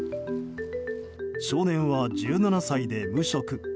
少年は１７歳で無職。